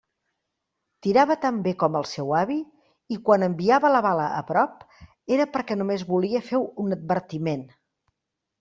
Tirava tan bé com el seu avi, i quan enviava la bala a prop, era perquè només volia fer un advertiment.